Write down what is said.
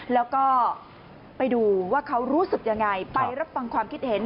แล้วก็ไปดูว่าเขารู้สึกยังไงไปรับฟังความคิดเห็น